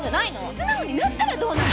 素直になったらどうなの？